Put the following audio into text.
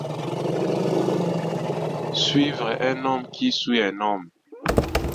Suivre un homme qui suit un homme!